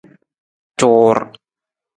Cuur !